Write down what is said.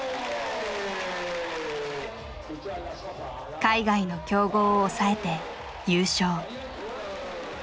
海外の強豪を抑えて優勝。